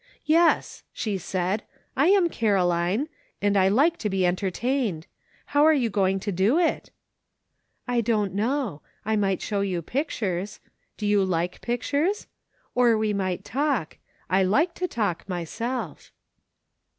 "Yes," she said, "I am Caroline, and I like to be entertained. How are you going to do it?" " I don't know. I might show you pictures. Do you like pictures ? Or we might talk ; I like to talk, myself."